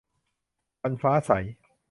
วันฟ้าใส